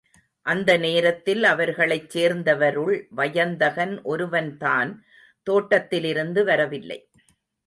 அந்த நேரத்தில் அவர்களைச் சேர்ந்தவருள் வயந்தகன் ஒருவன்தான் தோட்டத்திலிருந்து வரவில்லை.